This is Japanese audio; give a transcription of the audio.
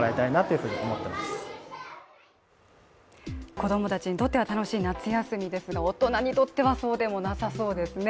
子供たちにとっては楽しい夏休みですが大人にとってはそうでもなさそうですね。